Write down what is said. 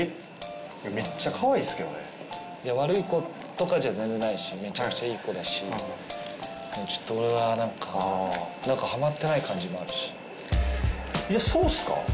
⁉いやめっちゃかわいいっすけどね悪い子とかじゃ全然ないしめちゃくちゃいい子だしちょっと俺は何か何かハマってない感じもあるしいやそうっすか？